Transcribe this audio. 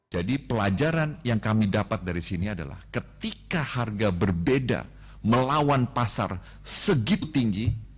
jadi pelajaran yang kami dapat dari sini adalah ketika harga berbeda melawan pasar segitu tinggi